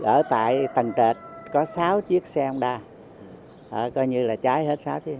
ở tại tầng trệt có sáu chiếc xe hông đa coi như là cháy hết sáu chiếc xe hông đa